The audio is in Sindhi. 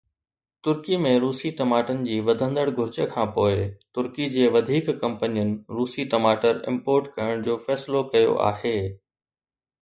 ترڪي ۾ روسي ٽماٽن جي وڌندڙ گهرج کانپوءِ ترڪي جي وڌيڪ ڪمپنين روسي ٽماٽر امپورٽ ڪرڻ جو فيصلو ڪيو آهي.